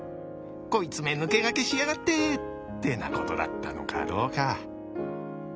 こいつめ抜け駆けしやがってってなことだったのかどうか。